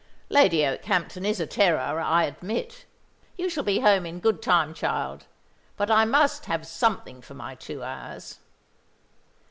"Lady Okehampton is a terror, I admit. You shall be home in good time, child. But I must have something for my two hours."